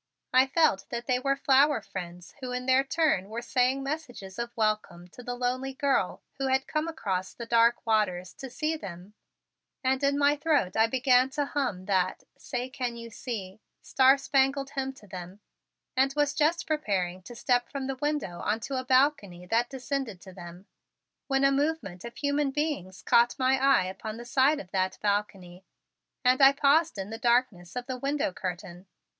I felt that they were flower friends who in their turn were saying messages of welcome to the lonely girl who had come across the dark waters to them and in my throat I began to hum that "Say can you see " Star Spangled hymn to them, and was just preparing to step from the window onto a balcony and descend to them, when a movement of human beings caught my eye upon the side of that balcony and I paused in the darkness of the window curtain.